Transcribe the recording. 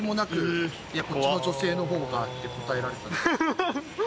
「こっちの女性のほうが」って答えられたんで。